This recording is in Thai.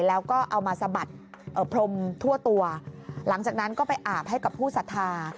แล้วก็เอามาสะบัดเอ่อพรมทั่วตัวหลังจากนั้นก็ไปอาบให้กับผู้สัทธา